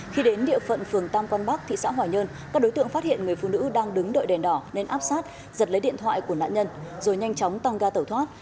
khi đến địa phận phường tam quang bắc thị xã hòa nhơn các đối tượng phát hiện người phụ nữ đang đứng đợi đèn đỏ nên áp sát giật lấy điện thoại của nạn nhân rồi nhanh chóng tăng ga tẩu thoát